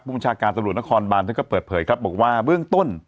บัญชาการตำรวจนครบานท่านก็เปิดเผยครับบอกว่าเบื้องต้น